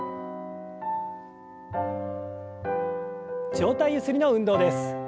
上体ゆすりの運動です。